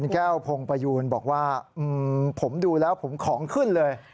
แก้วพงประยูนบอกว่าผมดูแล้วผมของขึ้นเลย